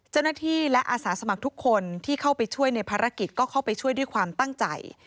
เจ้าหน้าที่และอาสาสมัครทุกคนที่เข้าไปช่วยในภารกิจก็เข้าไปช่วยด้วยความตั้งใจ